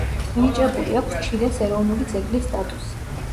მინიჭებული აქვს ჩილეს ეროვნული ძეგლის სტატუსი.